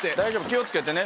気を付けてね。